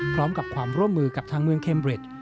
พร้อมกับความร่วมมือกับทางเมืองเคมเร็ด